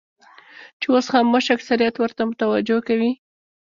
چې اوس خاموش اکثریت ورته توجه کوي.